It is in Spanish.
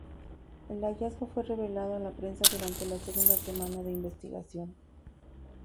El hallazgo fue revelado a la prensa durante la segunda semana de investigación.